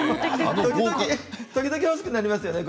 時々、欲しくなりますよね。